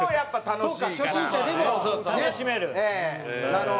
楽しめる。